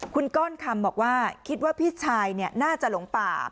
คุณก้อนคำบอกว่าคิดว่าพี่ชายน่าจะหลงป่า